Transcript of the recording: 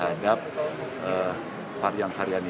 ini adalah k belief terima kasih strong ezik